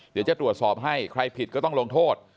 เดี๋ยวจะตรวจสอบให้ใครผิดก็ต้องลงโทษ